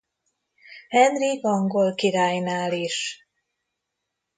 Henrik angol királynál is.